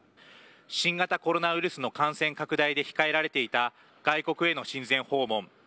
新型コロナウイルスの感染拡大で控えられていた外国への親善訪問。